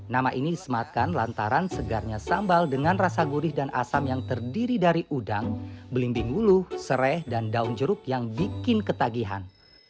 nama ini disematkan lantaran segarnya sambal dengan rasa gurih dan asam yang terdiri dari udang belimbing ulu serai dan daun jeruk yang bikin ketagihan